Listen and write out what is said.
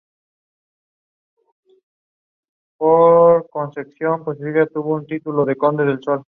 Vamos a hacer que esta cosa pesada!